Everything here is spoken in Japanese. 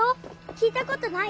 聞いたことない？